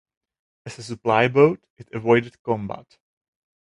As a supply boat, it avoided combat.